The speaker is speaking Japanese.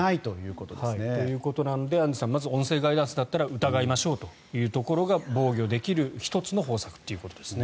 ということなので、アンジュさん音声ガイダンスだったら疑いましょうというところが防御できる１つの方策というところですね。